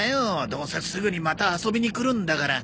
どうせすぐにまた遊びに来るんだから。